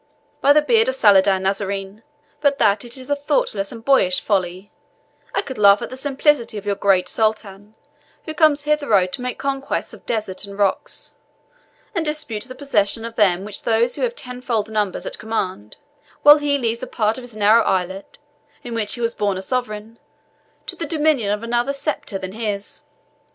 "By the beard of Saladin, Nazarene, but that it is a thoughtless and boyish folly, I could laugh at the simplicity of your great Sultan, who comes hither to make conquests of deserts and rocks, and dispute the possession of them with those who have tenfold numbers at command, while he leaves a part of his narrow islet, in which he was born a sovereign, to the dominion of another sceptre than his.